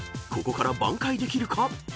［ここから挽回できるか？